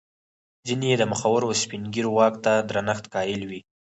ځیني یې د مخورو او سپین ږیرو واک ته درنښت قایل وي.